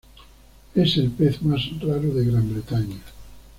Es el pez más raro de Gran Bretaña.